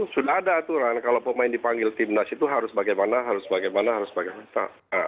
sudah ada aturan kalau pemain dipanggil timnas itu harus bagaimana harus bagaimana harus bagaimana